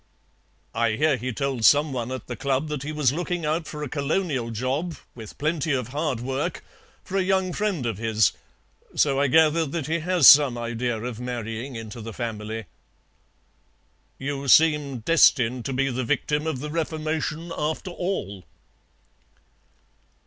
"I hear he told some one at the club that he was looking out for a Colonial job, with plenty of hard work, for a young friend of his, so I gather that he has some idea of marrying into the family." "You seem destined to be the victim of the reformation, after all."